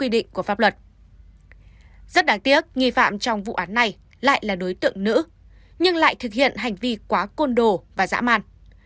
rất đáng tiếc nghi phạm trong vụ án này lại là đối tượng nữ nhưng lại thực hiện hành vi quá côn đồ và dã man